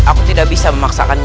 aku tidak bisa membuatnya berhenti